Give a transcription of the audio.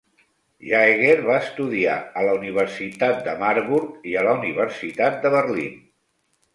Jaeger va estudiar a la Universitat de Marburg i a la Universitat de Berlín.